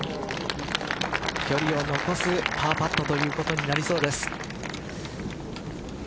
距離を残すパーパットということになりそうです。